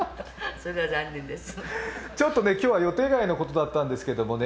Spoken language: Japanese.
今日は予定外のことだったんですけどもね